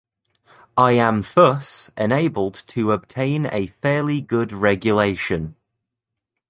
I am thus enabled to obtain a fairly good regulation.